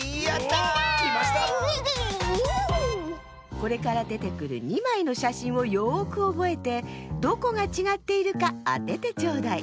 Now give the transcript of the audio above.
これからでてくる２まいのしゃしんをよくおぼえてどこがちがっているかあててちょうだい。